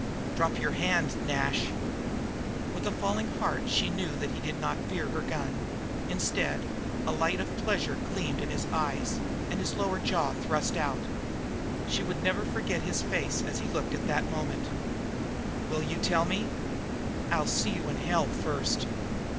"Drop your hand, Nash." With a falling of the heart, she knew that he did not fear her gun; instead, a light of pleasure gleamed in his eyes and his lower jaw thrust out. She would never forget his face as he looked that moment. "Will you tell me?" "I'll see you in hell first."